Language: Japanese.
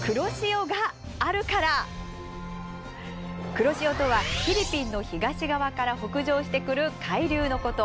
黒潮とはフィリピンの東側から北上してくる海流のこと。